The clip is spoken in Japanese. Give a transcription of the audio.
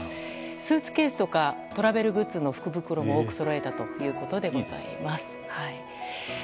スーツケースやトラベルグッズの福袋も多くそろえたということですが。